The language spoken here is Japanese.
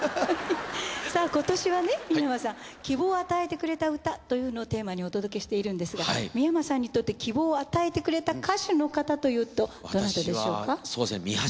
さぁ今年はね三山さん希望を与えてくれた歌というのをテーマにお届けしているんですが三山さんにとって希望を与えてくれた歌手の方というとどなたでしょうか？